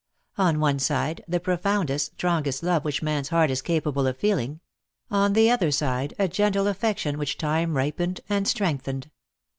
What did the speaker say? On one side, the profoundest, strongest love which man's heart is capable of feeling ; on the other side, a gentle affection which time ripened and strengthened.